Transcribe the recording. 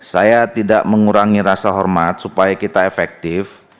saya tidak mengurangi rasa hormat supaya kita efektif